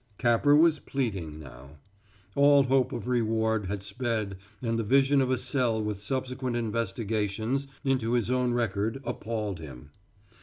Capper was pleading now. All hope of reward had sped and the vision of a cell with subsequent investigations into his own record appalled him.